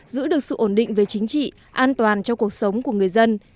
giữ được sự ổn định về chính trị an toàn cho cuộc sống của người dân